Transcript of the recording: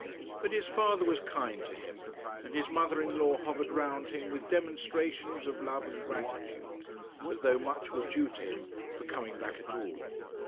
But his father was kind to him, and his mother in law hovered round him with demonstrations of love and gratitude, as though much were due to him for coming back at all.